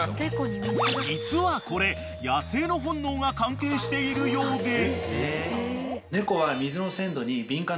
［実はこれ野生の本能が関係しているようで］